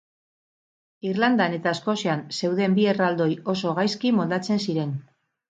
Irlandan eta Eskozian zeuden bi erraldoi oso gaizki moldatzen ziren.